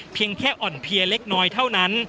เพียงแค่อ่อนเพลียเล็กน้อยเท่านั้น